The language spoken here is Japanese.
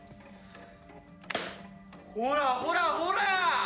ほらほらほら！